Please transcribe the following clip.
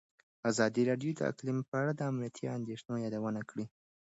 ازادي راډیو د اقلیم په اړه د امنیتي اندېښنو یادونه کړې.